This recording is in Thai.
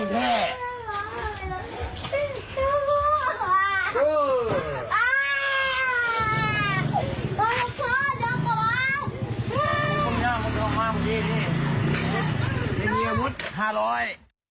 ห้ามร้อย